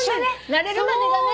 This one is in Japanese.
慣れるまでがね。